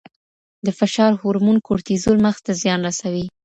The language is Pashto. د فشار هورمون کورټیزول مغز ته زیان رسوي.